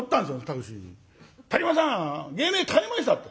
「竹丸さん芸名変えました」って。